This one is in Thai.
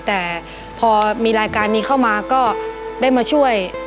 แต่พอมีรายการนี้เข้ามาก็ได้มาช่วย